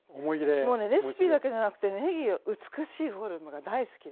もうねレシピだけじゃなくてねぎ美しいフォルムが大好きで。